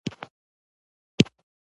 برګ مټال ولسوالۍ لیرې ده؟